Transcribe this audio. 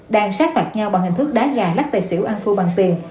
đang sát phạt nhau bằng hình thức đá gà lắc tài xỉu ăn thua bằng tiền